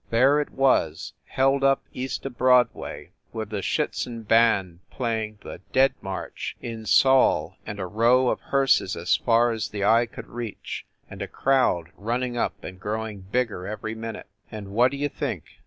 There it was, held up east of Broadway with the Schtitzen band playing the "Dead March" in Saul and a row of hearses as far as the eye could reach, and a crowd running up and growing bigger every minute. And what d you think?